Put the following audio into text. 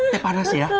teh panas ya